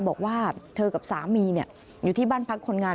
บอกว่าเธอกับสามีอยู่ที่บ้านพักคนงาน